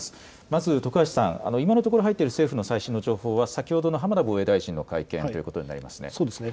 まず徳橋さん、今のところ入っている政府の最新の情報は、先ほどの浜田防衛大臣そうですね。